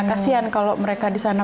kasian kalau mereka di sana